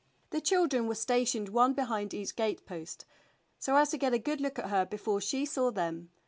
The children were stationed one behind each gate post, so as to get a good look at her before she saw them.